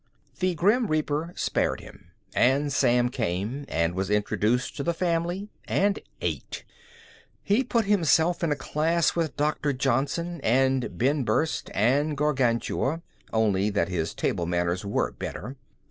The Grim Reaper spared him, and Sam came, and was introduced to the family, and ate. He put himself in a class with Dr. Johnson, and Ben Brust, and Gargantua, only that his table manners were better.